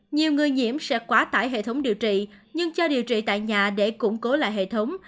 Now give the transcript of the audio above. nhiều người nhiễm sẽ quá tải hệ thống điều trị nhưng cho điều trị tại nhà để củng cố lại hệ thống